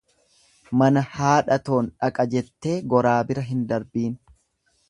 Mana haadha toon dhaqa jettee goraa bira hin darbiin.